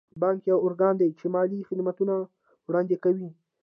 بانک یو ارګان دی چې مالي خدمتونه وړاندې کوي.